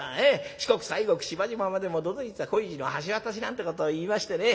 『四国西国島々までも都々逸恋路の橋渡し』なんてことをいいましてね。